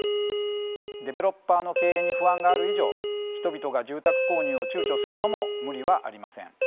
デベロッパーの経営に不安がある以上人々が住宅購入をちゅうちょするのも無理はありません。